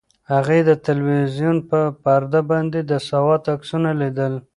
هغې د تلویزیون په پرده باندې د سوات عکسونه لیدل.